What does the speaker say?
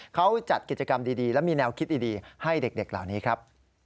เขาจัดกิจกรรมดีและมีแนวคิดดีให้เด็กเหล่านี้ครับ